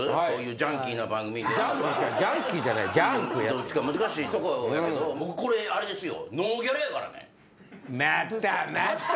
どっちか難しいとこやけど僕これあれですよ。